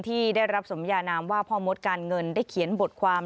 ที่ได้รับสมยานามว่าพ่อมดการเงินได้เขียนบทความ